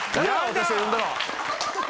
私を呼んだのは。